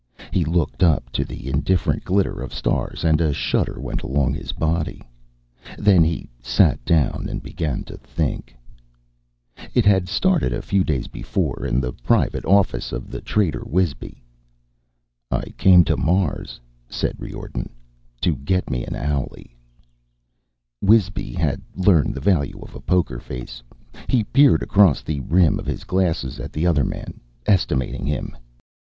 He looked up to the indifferent glitter of stars, and a shudder went along his body. Then he sat down and began to think. It had started a few days before, in the private office of the trader Wisby. "I came to Mars," said Riordan, "to get me an owlie." Wisby had learned the value of a poker face. He peered across the rim of his glass at the other man, estimating him.